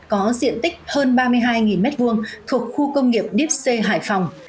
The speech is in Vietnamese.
có diện tích hơn ba mươi hai m hai thuộc khu công nghiệp dipsy hải phòng